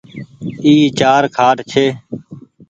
اي چآر کآٽ ڇي۔